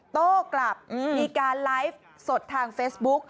โต้กลับมีการไลฟ์สดทางเฟซบุ๊ก